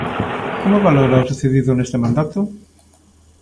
Como valora o sucedido neste mandato?